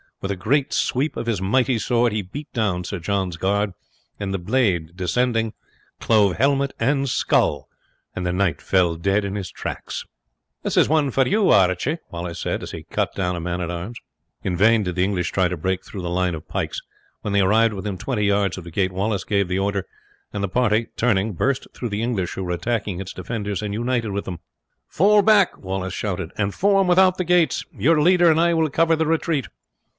With a great sweep of his mighty sword he beat down Sir John's guard, and the blade descending clove helmet and skull, and the knight fell dead in his tracks. "That is one for you, Archie," Wallace said, as he cut down a man at arms. In vain did the English try to break through the line of pikes. When they arrived within twenty yards of the gate, Wallace gave the order, and the party turning burst through the English who were attacking its defenders and united with them. "Fall back!" Wallace shouted, "and form without the gates. Your leader and I will cover the retreat."